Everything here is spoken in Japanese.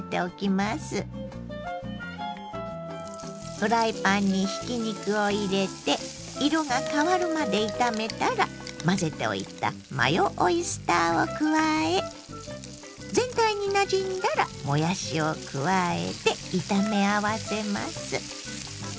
フライパンにひき肉を入れて色が変わるまで炒めたら混ぜておいたマヨオイスターを加え全体になじんだらもやしを加えて炒め合わせます。